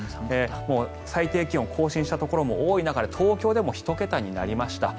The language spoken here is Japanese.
もう最低気温更新したところが多い中で東京でも１桁になりました。